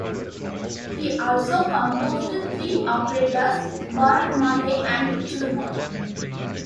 He also composed three operettas: ", "Bradamante" and "Trilby".